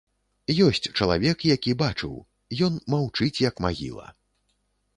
Ёсць чалавек, які бачыў, ён маўчыць як магіла.